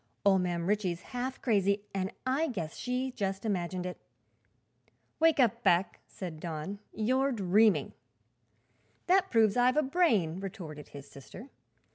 "Ol' Mam Ritchie's half crazy, an' I guess she just imagined it." "Wake up, Beck," said Don; "you're dreaming." "That proves I've a brain," retorted his sister.